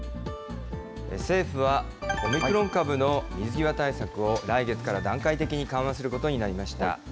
政府はオミクロン株の水際対策を、来月から段階的に緩和することになりました。